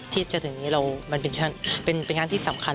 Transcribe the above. ที่จะถึงนี้มันเป็นงานที่สำคัญ